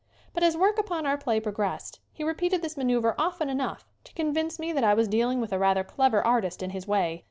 But as work upon our play progressed he repeated this maneuver often enough to con vince me that I was dealing with a rather clever artist in his way.